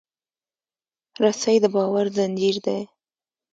رسۍ د باور زنجیر دی.